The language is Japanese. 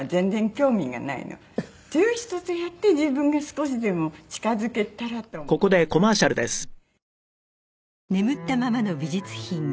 強い人とやって自分が少しでも近付けたらと思ってやるのでね。